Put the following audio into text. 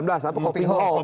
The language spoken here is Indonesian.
atau kopi ho